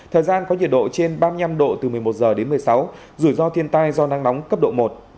thời gian có nhiệt độ trên ba mươi năm độ từ một mươi một h đến một mươi sáu rủi ro thiên tai do nắng nóng cấp độ một